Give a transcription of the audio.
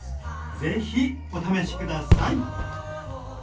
ぜひお試し下さい。